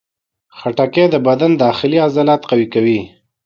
خټکی د بدن داخلي عضلات قوي کوي.